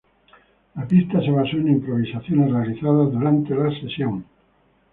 La pista se basó en improvisaciones realizadas durante la sesión.